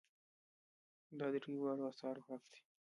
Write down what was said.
دا د دریو واړو آثارو حق دی.